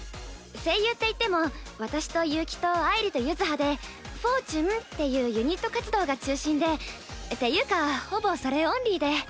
声優っていっても私と悠希とあいりと柚葉でＣｈｕｎ×４っていうユニット活動が中心でっていうかほぼそれオンリーで。